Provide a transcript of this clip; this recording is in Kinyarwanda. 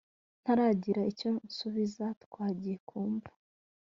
ntaragira icyo nsubiza twagiye kumva